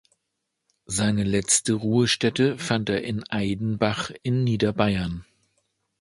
Seine letzte Ruhestätte fand er in Aidenbach in Niederbayern.